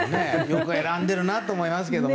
よく選んでるなと思いますが。